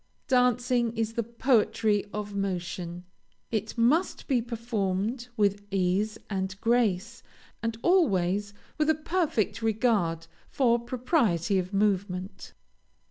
Dancing is the poetry of motion. It must be performed with ease and grace, and always with a perfect regard for propriety of movement.